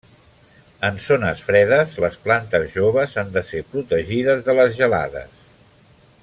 En zones fredes les plantes joves han de ser protegides de les gelades.